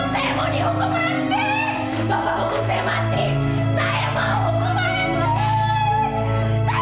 saya masih dihukum